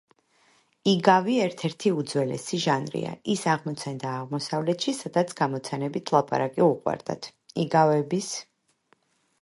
იგავი ერთ–ერთი უძველესი ჟანრია. ის აღმოცენდა აღმოსავლეთში, სადაც გამოცანებით ლაპარაკი უყვარდათ. იგავების